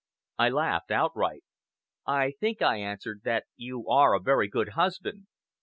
I laughed outright. "I think," I answered, "that you are a very good husband."